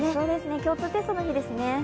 共通テストの日ですね。